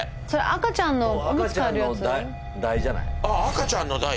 赤ちゃんの台？